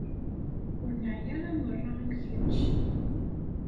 Ur neɛya ara merra am kečč.